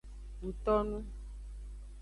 Ngtonu.